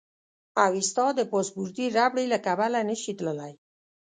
اوېستا د پاسپورتي ربړې له کبله نه شي تللی.